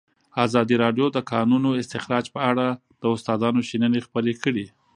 ازادي راډیو د د کانونو استخراج په اړه د استادانو شننې خپرې کړي.